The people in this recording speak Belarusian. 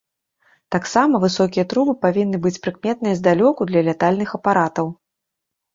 Таксама высокія трубы павінны быць прыкметныя здалёку для лятальных апаратаў.